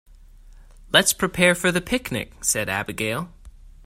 "Let's prepare for the picnic!", said Abigail.